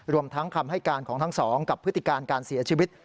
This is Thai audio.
รวมทั้งคำให้การของทั้งสองกับพฤติการการเสียชีวิต